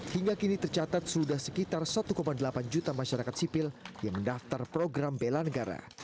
hingga kini tercatat sudah sekitar satu delapan juta masyarakat sipil yang mendaftar program bela negara